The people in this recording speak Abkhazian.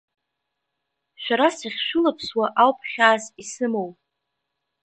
Шәара сахьшәылаԥсуа ауп хьаас исымоу.